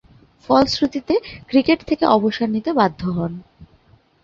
ফলশ্রুতিতে ক্রিকেট থেকে অবসর নিতে বাধ্য হন।